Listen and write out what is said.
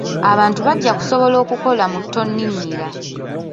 Abantu bajja kusobola okukola mu ttonninnyira.